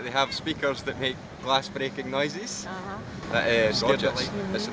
seru seru seru seru seru seru seru seru seru seru seru seru seru seru seru seru seru seru seru seru seru seru